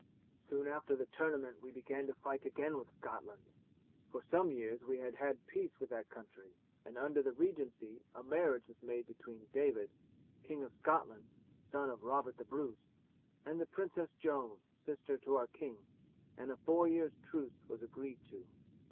"Soon after the tournament we began to fight again with Scotland. For some years we had had peace with that country, and under the regency a marriage was made between David, King of Scotland, son of Robert the Bruce, and the Princess Joan, sister to our king, and a four years' truce was agreed to."